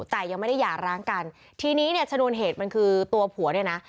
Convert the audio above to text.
แต่ยังไม่ได้หย่าร้างกันทีนี้เนี่ยชนวนเหตุมันคือตัวผัวเนี่ยนะ